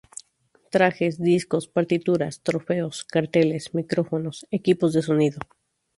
Trajes, discos, partituras, trofeos, carteles, micrófonos, equipos de sonido...